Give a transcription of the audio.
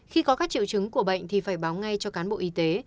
khi có các triệu chứng của bệnh thì phải báo ngay cho cán bộ y tế